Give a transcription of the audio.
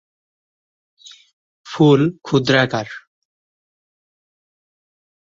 ফুল ক্ষুদ্রাকার।